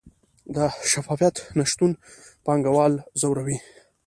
د شفافیت نشتون پانګوال ځوروي؟